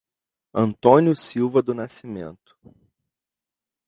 Antônio Silva do Nascimento